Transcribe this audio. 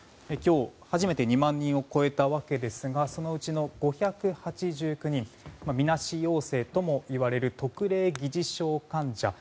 今日、初めて２万人を超えたわけですがそのうち５８９人がみなし陽性ともいわれる特例疑似症患者